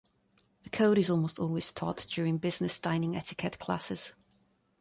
The code is almost always taught during business dining etiquette classes.